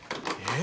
え！